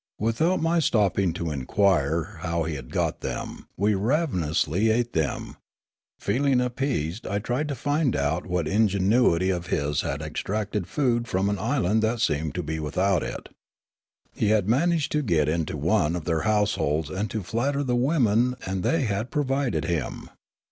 Without my stopping to inquire how he had got them, we ravenously ate them. Feeling appeased, I tried to find out what ingenuity of Wotnekst 205 his had extracted food from an island that seemed to be without it. He had managed to get into one of their households and to flatter the women and they had pro vided him.